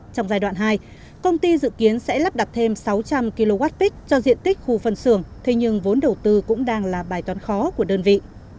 trong giai đoạn hai công ty dự kiến sẽ lắp đặt thêm sáu trăm linh kwh cho diện tích khu phân xưởng thế nhưng vốn đầu tư cũng đang là bài toán khó của đơn vị